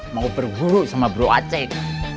mau berguru sama bro aceh